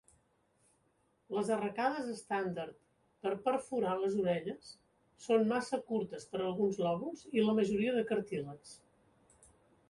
Les arracades estàndard per perforar les orelles són massa curtes per alguns lòbuls i la majoria de cartílags.